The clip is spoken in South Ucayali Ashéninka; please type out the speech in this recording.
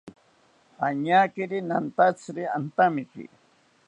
Añakiri nantatziri antamiki